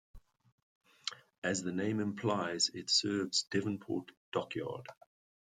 As the name implies it serves Devonport Dockyard.